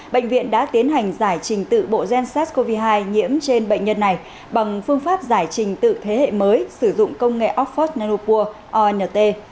bệnh viện đã tiến hành giải trình tự bộ gen sars cov hai nhiễm trên bệnh nhân này bằng phương pháp giải trình tự thế hệ mới sử dụng công nghệ oxfordnopur ont